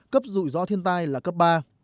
cấp rụi gió thiên tai là cấp ba